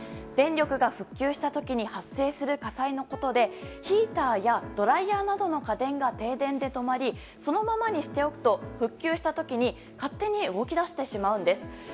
電力が復旧した時に発生する火災のことでヒーターやドライヤーなどの家電が停電で止まりそのままにしておくと復旧した時に勝手に動き出してしまうんです。